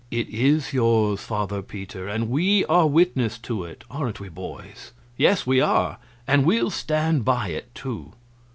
"It is yours, Father Peter, and we are witness to it. Aren't we, boys?" "Yes, we are and we'll stand by it, too."